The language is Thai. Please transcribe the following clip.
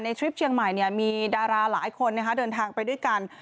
ในทริปเชียงใหม่เนี่ยมีดาราหลายคนนะคะเดินทางไปด้วยกัน